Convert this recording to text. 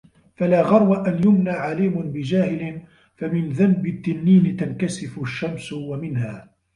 فَلَا غَرْوَ أَنْ يُمْنَى عَلِيمٌ بِجَاهِلِ فَمِنْ ذَنَبِ التِّنِّينِ تَنْكَسِفُ الشَّمْسُ وَمِنْهَا